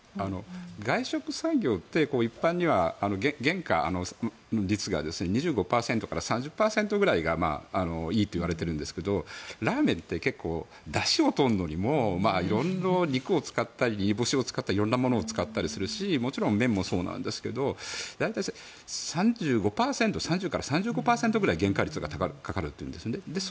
外食産業って一般には原価率が２５％から３０％ぐらいがいいといわれてるんですけどラーメンって結構だしを取るのにも色々、肉を使ったり煮干しを使ったり色んなものを使ったりするし麺もそうなんですけど大体、３５％くらい原価率がかかるというんですね。